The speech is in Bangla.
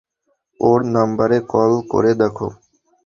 ওর নাম্বারে কল করে দেখ।